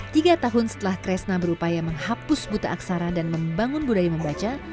tiga tahun setelah kresna berupaya menghapus buta aksara dan membangun budaya membaca